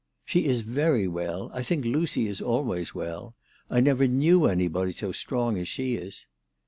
" She is very well. I think Lucy is always well. I never knew anybody so strong as she is."